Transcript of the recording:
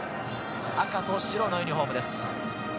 赤と白のユニホームです。